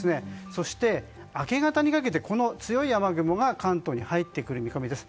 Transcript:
そして、明け方にかけて強い雨雲が関東に入ってくる見込みです。